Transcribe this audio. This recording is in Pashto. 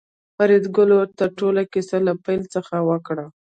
فریدګل ورته ټوله کیسه له پیل څخه وکړه